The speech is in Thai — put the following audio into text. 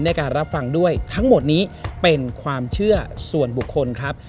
ในการรับฟังด้วยทั้งหมดนี้เป็นความเชื่อส่วนบุคคลครับ